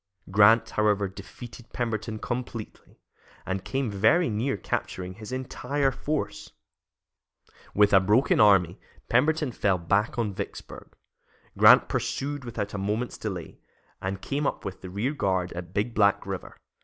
Grant, however, defeated Pemberton completely, and came very near capturing his entire force. With a broken army, Pemberton fell back on Vicksburg. Grant pursued without a moment's delay, and came up with the rear guard at Big Black River.